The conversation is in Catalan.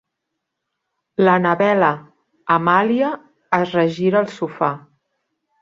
L'Anabela-Amália es regira al sofà.